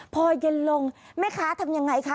พอเย็นลงแม่ค้าทำยังไงคะ